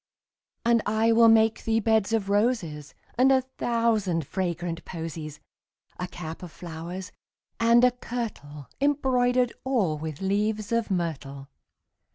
And I will make thee beds of roses And a thousand fragrant posies; 10 A cap of flowers, and a kirtle Embroider'd all with leaves of myrtle.